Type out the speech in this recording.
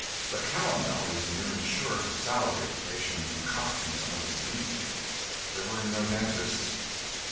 The calomel was nearly sure to salivate the patient and cost him some of his teeth. There were no dentists.